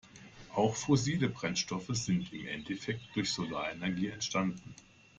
Auch fossile Brennstoffe sind im Endeffekt durch Solarenergie entstanden.